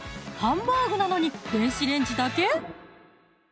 ハンバーグなのに電子レンジだけ？